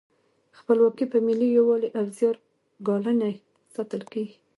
خپلواکي په ملي یووالي او زیار ګالنې ساتل کیږي.